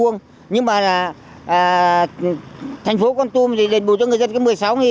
nhưng mà là thành phố con tum thì đền bù cho người dân có một mươi sáu